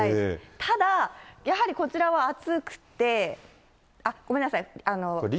ただ、やはりこちらは暑くて、ごめんなさい。